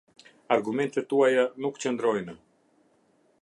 Argumentet tuaja nuk qëndrojnë.